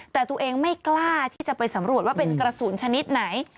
แต่ตัวเองไม่กล้าที่จะไปสำรวจว่าเป็นกระสุนชนิดไหน